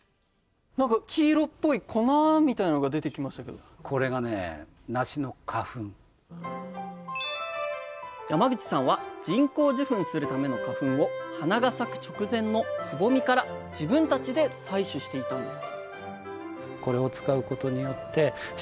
４月この時山口さんは人工授粉するための花粉を花が咲く直前のつぼみから自分たちで採取していたんです